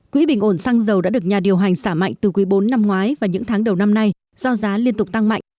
quỹ bình ổn xăng dầu đã được nhà điều hành xả mạnh từ quý bốn năm ngoái và những tháng đầu năm nay do giá liên tục tăng mạnh